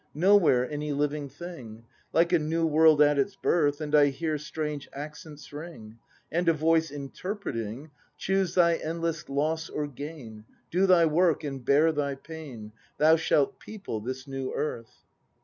Nowhere any living thing; Like a new world at its birth; And I hear strange accents ring, And a Voice interpreting: "Choose thy endless loss or gain. Do thy work and bear thy pain; — Thou shalt people this new earth!"